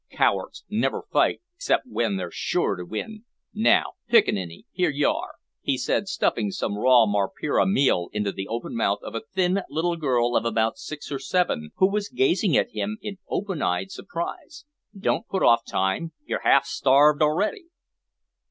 Cowards never fight 'xcept w'en they're sure to win. Now, piccaninny, here you are," he said, stuffing some raw mapira meal into the open mouth of a thin little girl of about six or seven, who was gazing at him in open eyed surprise; "don't put off time, you're half starved already!"